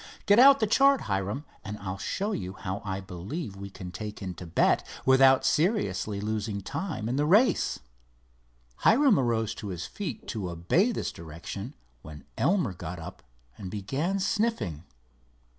"Get out the chart, Hiram, and I'll show you how I believe we can take in Thibet without seriously losing time in the race." Hiram arose to his feet to obey this direction, when Elmer got up and began sniffing.